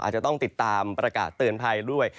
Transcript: อาจจะต้องติดตามประกาศเตือนภัยด้วย